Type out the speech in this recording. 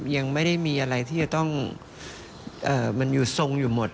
ยังไม่ได้มีอะไรที่จะต้องมันอยู่ทรงอยู่หมด